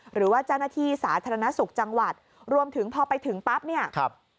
หรือว่าเจ้าหน้าที่สาธารณสุขจังหวัดรวมถึงพอไปถึงปั๊บเนี่ยครับ